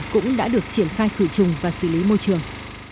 cũng đã được triển khai khử trùng và xử lý môi trường